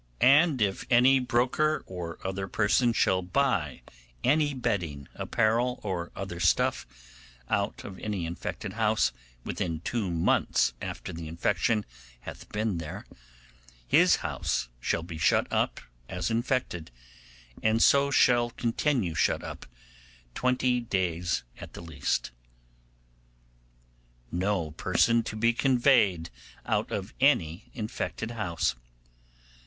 And if any broker or other person shall buy any bedding, apparel, or other stuff out of any infected house within two months after the infection hath been there, his house shall be shut up as infected, and so shall continue shut up twenty days at the least. No Person to be conveyed out of any infected House.